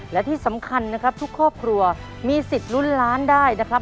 และที่สำคัญนะครับทุกครอบครัวมีสิทธิ์ลุ้นล้านได้นะครับ